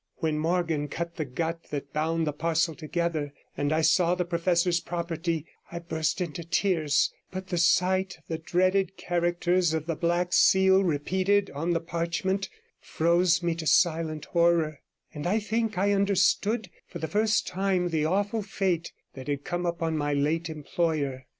When Morgan cut the gut that bound the parcel together, and I saw the professor's property, I burst into tears, but the sight of the dreaded characters of the Black Seal repeated on the ment froze me to silent horror, and I think I understood for the first time the awful fate that had come upon my late employer.